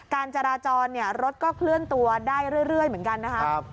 การจราจรรถก็เคลื่อนตัวได้เรื่อยเหมือนกันนะครับ